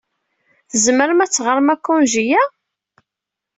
Tzemrem ad teɣrem akanji-a?